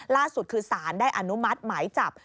ล่าสุดคือสารได้อนุมัติหมายจับ